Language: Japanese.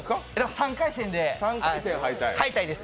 ３回戦で敗退です。